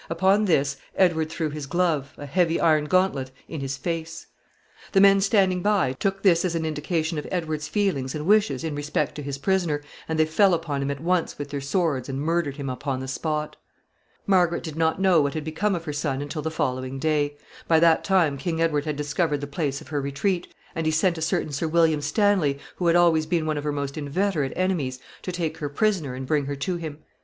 Upon this, Edward threw his glove, a heavy iron gauntlet, in his face. [Sidenote: Death of the Prince of Wales.] The men standing by took this as an indication of Edward's feelings and wishes in respect to his prisoner, and they fell upon him at once with their swords and murdered him upon the spot. [Sidenote: Margaret receives the tidings.] Margaret did not know what had become of her son until the following day. By that time King Edward had discovered the place of her retreat, and he sent a certain Sir William Stanley, who had always been one of her most inveterate enemies, to take her prisoner and bring her to him.